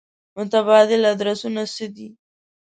متبادل ادرسونه څه دي.